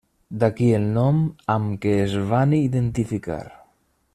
D'aquí el nom amb què es van identificar.